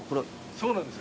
そうなんです。